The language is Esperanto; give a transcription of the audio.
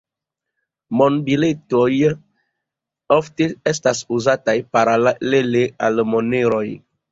Monbiletoj ofte estas uzataj paralele al moneroj.